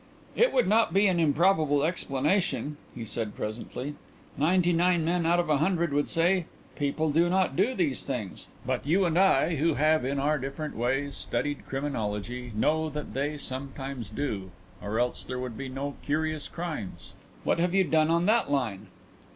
"It would not be an improbable explanation," he said presently. "Ninety nine men out of a hundred would say: 'People do not do these things.' But you and I, who have in our different ways studied criminology, know that they sometimes do, or else there would be no curious crimes. What have you done on that line?"